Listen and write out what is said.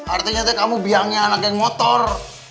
artinya teh kamu biangnya anak geng motor